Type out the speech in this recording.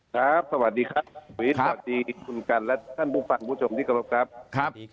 ครับสวัสดีครับสวัสดีคุณกัลและท่านผู้ฟังผู้ชมที่กรบครับ